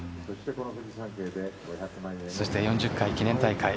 そして４０回記念大会